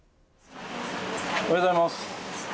おはようございます。